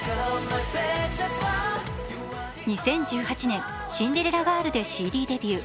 ２０１８年「シンデレラガール」でＣＤデビュー。